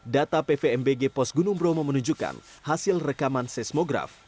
data pvmbg pos gunung bromo menunjukkan hasil rekaman seismograf